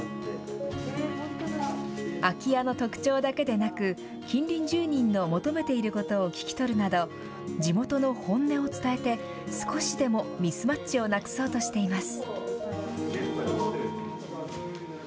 空き家の特徴だけでなく近隣住人の求めていることを聞き取るなど地元の本音を伝えて少しでもミスマッチをなくそうとしています。